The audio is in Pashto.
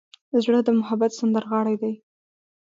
زړه د محبت سندرغاړی دی.